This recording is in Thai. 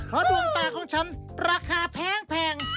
เพราะดวงตาของฉันราคาแพง